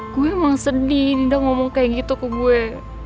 gue emang sedih dinda ngomong kayak gitu ke gue